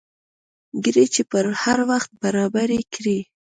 ګړۍ چې پر هر وخت برابر کړې.